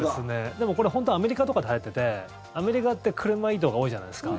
でもこれ本当にアメリカとかではやっていてアメリカって車移動が多いじゃないですか。